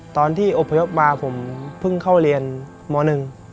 ตอนที่อบพยพมาผมเพิ่งเข้าเรียนมหนึ่ง